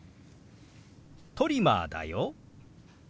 「トリマーだよ」。